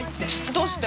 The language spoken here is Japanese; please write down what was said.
どうして？